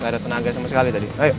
tidak ada tenaga sama sekali tadi